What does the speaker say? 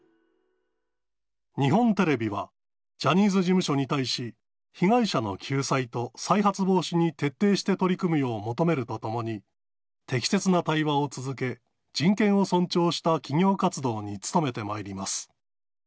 日本テレビはジャニーズ事務所に対し、被害者の救済と再発防止に徹底して取り組むよう求めるとともに、適切な対話を続け、人権を尊重した企業活動に努めてまいります。